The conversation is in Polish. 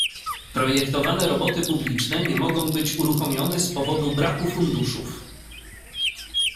"Projektowane roboty publiczne nie mogą być uruchomione z powodu braku funduszów."